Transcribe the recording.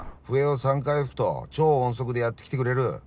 笛を３回吹くと超音速でやってきてくれる。